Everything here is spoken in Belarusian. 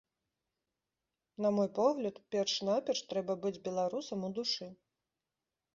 На мой погляд, перш-наперш трэба быць беларусам у душы.